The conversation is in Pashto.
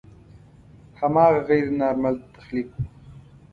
هماغه غیر نارمل تخلیق و.